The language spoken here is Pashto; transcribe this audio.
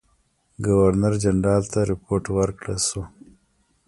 ګورنر جنرال ته رپوټ ورکړه شو.